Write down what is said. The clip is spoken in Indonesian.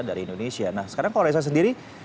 dari indonesia nah sekarang kalau reza sendiri